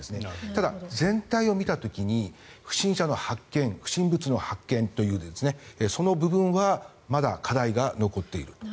ただ、全体を見た時に不審者の発見不審物の発見というその部分はまだ課題が残っている。